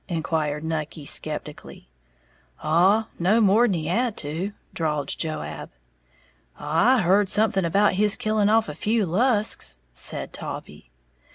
inquired Nucky, skeptically. "Oh, no more'n he had to," drawled Joab. "I heared something about his killing off a few Lusks," said Taulbee.